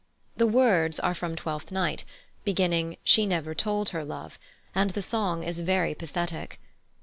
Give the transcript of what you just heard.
The words are from Twelfth Night, beginning "She never told her love," and the song is very pathetic.